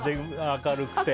明るくて。